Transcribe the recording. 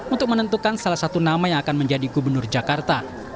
untuk menentukan salah satu nama yang akan menjadi gubernur jakarta